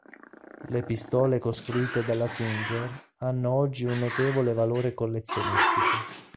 Le pistole costruite dalla singer hanno oggi un notevole valore collezionistico.